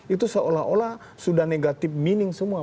itu seolah olah sudah negatif meaning semua